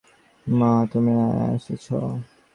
মা, তুমি এসেছো?